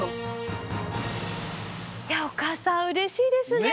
おかあさんうれしいですね。